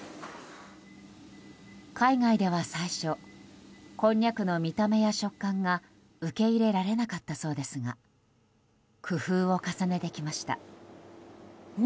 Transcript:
海外では最初こんにゃくの見た目や食感が受け入れられなかったそうですが工夫を重ねてきました。